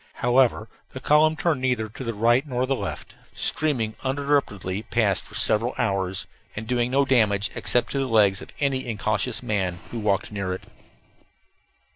However, the column turned neither to the right nor the left, streaming uninterruptedly past for several hours, and doing no damage except to the legs of any incautious man who walked near it.